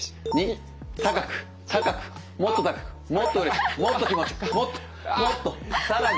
高く高くもっと高くもっとうれしくもっと気持ちよくもっともっと更に。